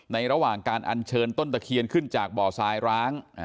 ระหว่างการอันเชิญต้นตะเคียนขึ้นจากบ่อทรายร้าง